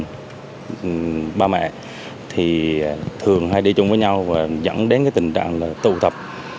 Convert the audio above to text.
đối với bà mẹ thì thường hay đi chung với nhau và dẫn đến cái tình trạng là tù thập